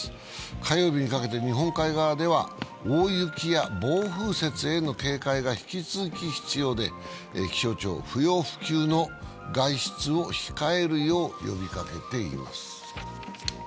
火曜日にかけて日本海側では大雪や暴風雪への警戒が引き続き必要で気象庁、不要不急の外出を控えるよう呼びかけています。